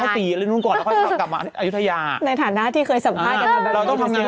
ไปงานไปงาน